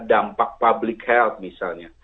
dampak public health misalnya